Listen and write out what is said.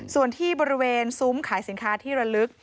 ส่วนที่บริเวณซุ้มขายสินค้าที่ระลึก